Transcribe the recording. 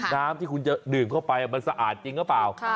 น้ำที่คุณจะดื่มเข้าไปมันสะอาดจริงหรือเปล่า